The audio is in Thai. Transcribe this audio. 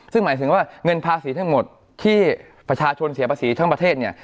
ซึ่งหมายถึงว่าเงินภาษีทั้งหมดที่ประชาชนเสียภาษีทั้งประเทศเนี่ย